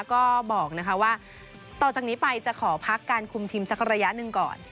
ก็บอกว่าต่อจากนี้ไปจะขอพักการคุมทีมสักระยะหนึ่งก่อน